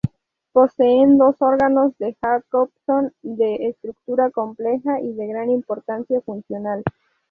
Poseen dos órganos de Jacobson de estructura compleja y de gran importancia funcional.